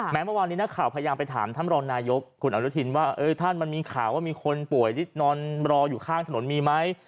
แม้วันนี้นักข่าวพยายามไปถามท่านมรนายพหลุทินว่าอ่อท่านมันมีข่าวว่ามีคนป่วยที่นอนรออยู่ข้างถนนมีมั้ย